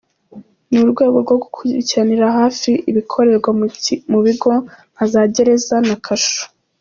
Ni urwego rwo gukurikiranira hafi ibikorerwa mu bigo nka za gereza na kasho.